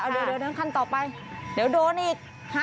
เดี๋ยวโดนอีก